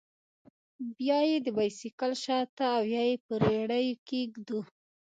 بيا يې د بايسېکل شاته او يا په رېړيو کښې ږدو.